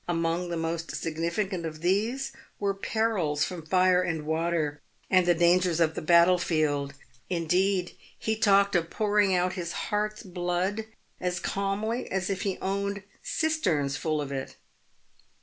Among the most significant of these were perils from fire and water, and the dangers of the battle field. Lv deed he talked of pouring out his heart's blood as calmly as if he owned cisterns full of it.)